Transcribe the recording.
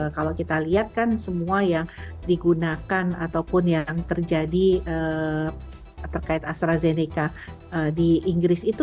kalau kita lihat kan semua yang digunakan ataupun yang terjadi terkait astrazeneca di inggris itu